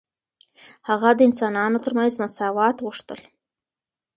هغه د انسانانو ترمنځ مساوات غوښتل.